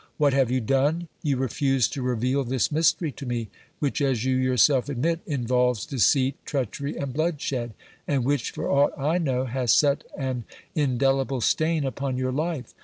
"What have you done? You refuse to reveal this mystery to me, which, as you yourself admit, involves deceit, treachery and bloodshed, and which, for aught I know, has set an indelible stain upon your life!